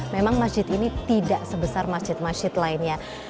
memang masjid ini tidak sebesar masjid masjid lainnya